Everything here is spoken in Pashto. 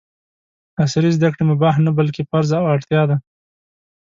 عصري زده کړې مباح نه ، بلکې فرض او اړتیا ده!